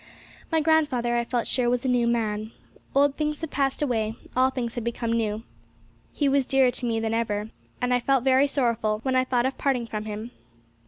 My grandfather, I felt sure, was a new man. Old things had passed away; all things had become new. He was dearer to me than ever, and I felt very sorrowful when I thought of parting from him.